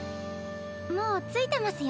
もう着いてますよ。